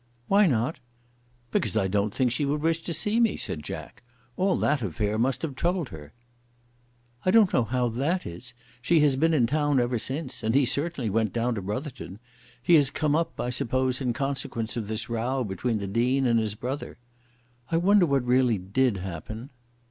"Why not?" "Because I don't think she would wish to see me," said Jack. "All that affair must have troubled her." "I don't know how that is. She has been in town ever since, and he certainly went down to Brotherton. He has come up, I suppose, in consequence of this row between the Dean and his brother. I wonder what really did happen?"